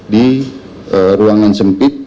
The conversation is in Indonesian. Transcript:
di ruangan sempit